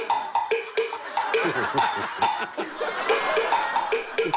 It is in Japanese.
「ハハハハ！」